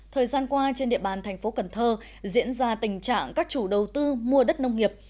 thời gian qua trên địa bàn thành phố cần thơ diễn ra tình trạng các chủ đầu tư mua đất nông nghiệp